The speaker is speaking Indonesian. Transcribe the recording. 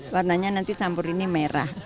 warnanya nanti campur ini merah